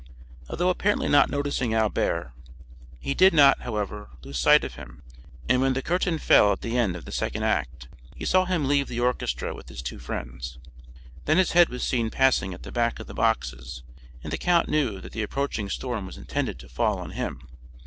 Although apparently not noticing Albert, he did not, however, lose sight of him, and when the curtain fell at the end of the second act, he saw him leave the orchestra with his two friends. Then his head was seen passing at the back of the boxes, and the count knew that the approaching storm was intended to fall on him.